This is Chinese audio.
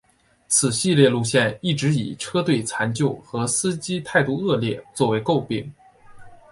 此系列路线一直以车队残旧和司机态度恶劣作为垢病。